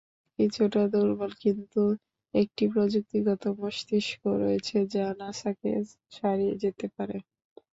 কিছুটা দুর্বল কিন্তু একটি প্রযুক্তিগত মস্তিষ্ক রয়েছে যা নাসাকে ছাড়িয়ে যেতে পারে।